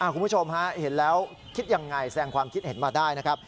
คุณผู้ชมฮะเห็นแล้วคิดยังไงแสดงความคิดเห็นมาได้นะครับ